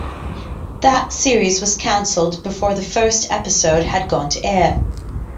That series was cancelled before the first episode had gone to air.